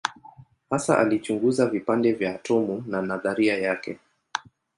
Hasa alichunguza vipande vya atomu na nadharia yake.